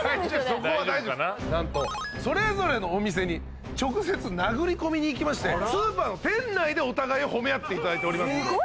そこは大丈夫です何とそれぞれのお店に直接殴り込みに行きましてスーパーの店内でお互いを褒め合っていただいております